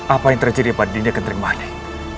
apa yang terjadi pada dinda akan terbalik